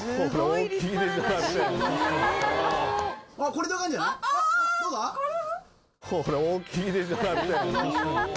これ大きいでしょ。